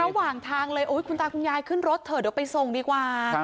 ระหว่างทางเลยคุณตาคุณยายขึ้นรถเถอะเดี๋ยวไปส่งดีกว่า